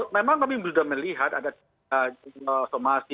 memang kami sudah melihat ada somasi